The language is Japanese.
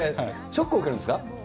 ショックを受けるんですか？